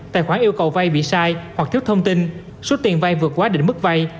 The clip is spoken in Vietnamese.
tài khoản yêu cầu vay bị sai hoặc thiếu thông tin số tiền vay vượt quá đỉnh mức vay